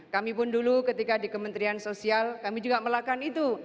kami pun dulu ketika di kementerian sosial kami juga melakukan itu